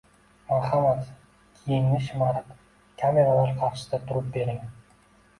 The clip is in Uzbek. Marhamat yengni shimarib kameralar qarshisida turib bering.